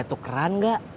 ada tukeran gak